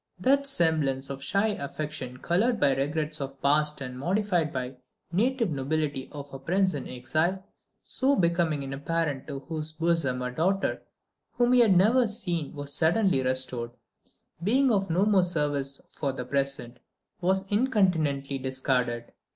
That semblance of shy affection coloured by regrets for the past and modified by the native nobility of a prince in exile—so becoming in a parent to whose bosom a daughter whom he had never seen was suddenly restored—being of no more service for the present, was incontinently discarded.